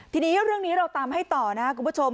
ทีนี้เรื่องนี้เราตามให้ต่อนะครับคุณผู้ชม